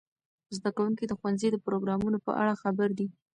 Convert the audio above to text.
زده کوونکي د ښوونځي د پروګرامونو په اړه خبر دي.